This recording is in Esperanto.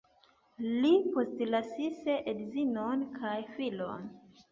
Li postlasis edzinon kaj filon.